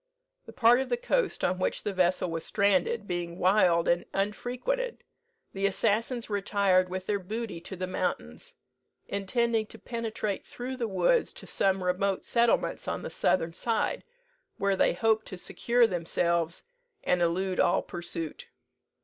The part of the coast on which the vessel was stranded being wild and unfrequented, the assassins retired with their booty to the mountains, intending to penetrate through the woods to some remote settlements on the southern side, where they hoped to secure themselves, and elude all pursuit.